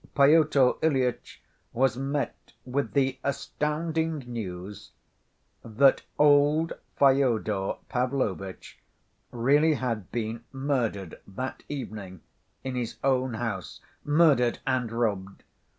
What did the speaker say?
Pyotr Ilyitch was met with the astounding news that old Fyodor Pavlovitch really had been murdered that evening in his own house, murdered and robbed.